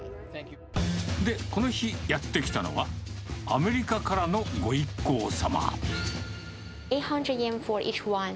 で、この日、やって来たのは、アメリカからのご一行様。